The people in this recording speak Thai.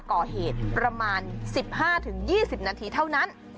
ก่อเหตุประมาณ๑๕๒๐นาทีเท่านั้น